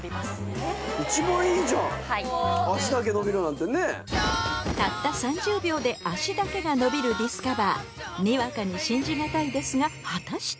今日ははい脚だけ伸びるなんてねたった３０秒で脚だけが伸びるディスカバーにわかに信じがたいですが果たして？